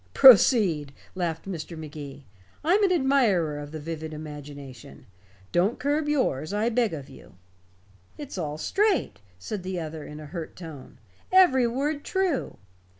"Proceed," laughed Mr. Magee. "I'm an admirer of the vivid imagination. Don't curb yours, I beg of you." "It's all straight," said the other in a hurt tone. "Every word true.